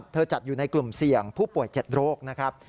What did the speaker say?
จัดอยู่ในกลุ่มเสี่ยงผู้ป่วย๗โรคนะครับ